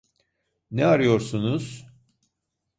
Ne arıyorsunuz?